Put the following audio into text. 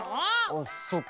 あそっか。